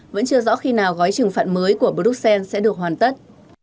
vẫn chưa rõ khi nào gói trừng phạt mới của bruxelles sẽ được hoàn tất